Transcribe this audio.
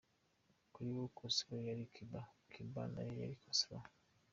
Kuri bo Castro yari Cuba, Cuba nayo yari Castro.